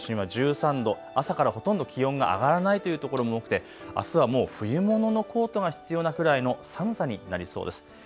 東京都心は１３度、朝からほとんど気温が上がらないというところも多くてあすはもう冬物のコートが必要なくらいの寒さになりそうです。